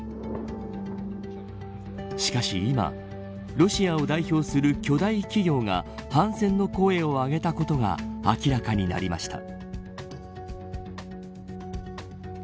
しかし今ロシアを代表する巨大企業が反戦の声を上げたことが明らかになりました。